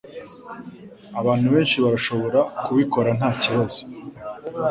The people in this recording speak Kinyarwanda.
Abantu benshi barashobora kubikora nta kibazo